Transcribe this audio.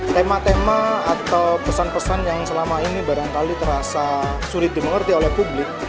tema tema atau pesan pesan yang selama ini barangkali terasa sulit dimengerti oleh publik